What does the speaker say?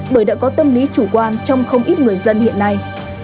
bởi đã có tâm lý chủ quan trong không ít người dân hiện nay